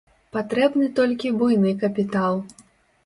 Патрэбны толькі буйны капітал.